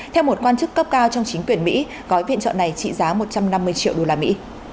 theo một quan chức cấp cao trong chính quyền mỹ gói viện trợ này trị giá một trăm năm mươi triệu đô la mỹ